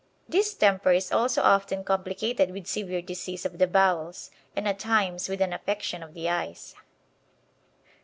Distemper is also often complicated with severe disease of the bowels, and at times with an affection of the eyes.